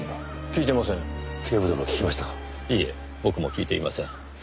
いいえ僕も聞いていません。